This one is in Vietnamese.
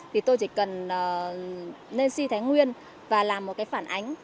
thì tôi chỉ cần lên si thái nguyên và làm một cái phản ánh